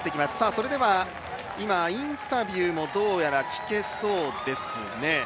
それでは今、インタビューが聞けそうですね。